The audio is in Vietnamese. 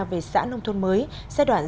về xã nông thôn mới giai đoạn